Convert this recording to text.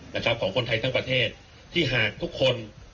นะครับของคนไทยทั้งประเทศที่หากทุกคน